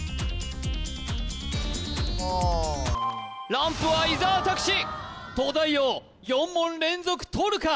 ランプは伊沢拓司東大王４問連続とるか？